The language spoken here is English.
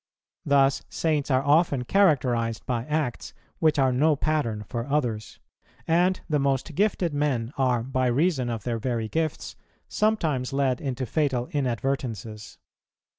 Thus Saints are often characterized by acts which are no pattern for others; and the most gifted men are, by reason of their very gifts, sometimes led into fatal inadvertences.